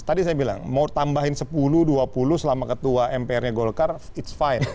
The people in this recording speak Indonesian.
tadi saya bilang mau tambahin sepuluh dua puluh selama ketua mpr nya golkar ⁇ its ⁇ fine